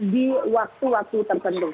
di waktu waktu terkendung